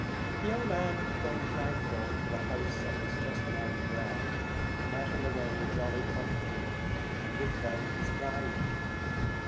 A young man going at nightfall to the house of his just married bride, met in the way a jolly company, and with them his bride.